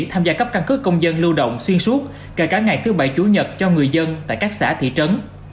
tham gia cấp căn cứ công dân lưu động xuyên suốt kể cả ngày thứ bảy chủ nhật cho người dân tại các xã thị trấn